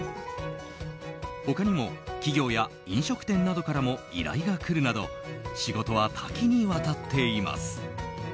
他にも、企業や飲食店などからも依頼が来るなど仕事は多岐にわたっています。